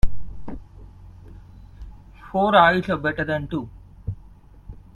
Four eyes are better than two.